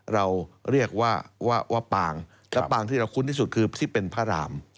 เราเรียกว่าว่าปางและปางที่เราคุ้นที่สุดคือที่เป็นพระราม